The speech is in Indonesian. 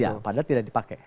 ya padahal tidak dipakai